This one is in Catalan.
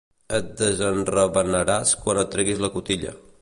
Et desenravenaràs quan et treguis la cotilla.